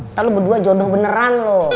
ntar lu berdua jodoh beneran loh